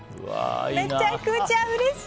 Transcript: めちゃくちゃうれしい！